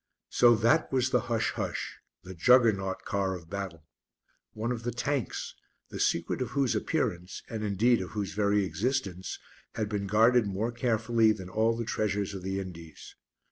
So that was the "Hush! hush!" the Juggernaut Car of Battle. One of the Tanks, the secret of whose appearance, and indeed of whose very existence, had been guarded more carefully than all the treasures of the Indies.